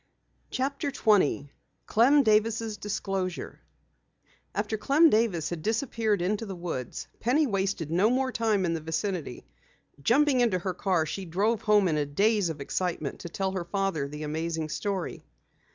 CHAPTER 20 CLEM DAVIS' DISCLOSURE After Clem Davis had disappeared into the woods, Penny wasted no more time in the vicinity. Jumping into her car, she drove home in a daze of excitement, to tell her father the amazing story.